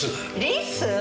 リス！？